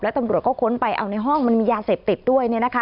ตำรวจก็ค้นไปเอาในห้องมันมียาเสพติดด้วย